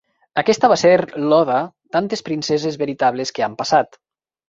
Aquesta va ser l'Oda "tantes princeses veritables que han passat".